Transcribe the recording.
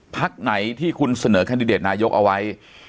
พักไหนที่คุณเสนอแคนดิเดตนายกเอาไว้